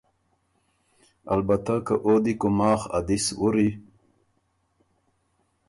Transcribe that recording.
البته که او دی کُوماخ ا دِس وُری